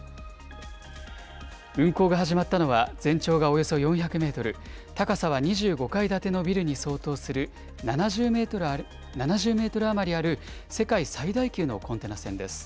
運航が始まったのは全長がおよそ４００メートル、高さは２５階建てのビルに相当する７０メートル余りある世界最大級のコンテナ船です。